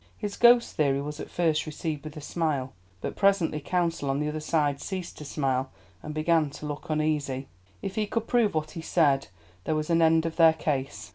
His ghost theory was at first received with a smile, but presently counsel on the other side ceased to smile, and began to look uneasy. If he could prove what he said, there was an end of their case.